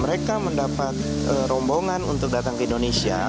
mereka mendapat rombongan untuk datang ke indonesia